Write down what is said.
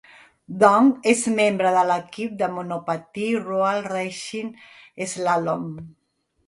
Dong és membre de l'equip de monopatí RoalRacing Slalom.